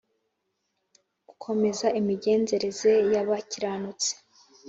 gukomeza imigenzereze y’abakiranutsi